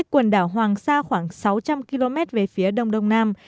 quần đảo hoàng sa khoảng sáu trăm linh km về phía đông đông nam